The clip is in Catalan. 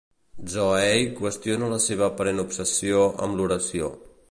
Zooey qüestiona la seva aparent obsessió amb l'oració.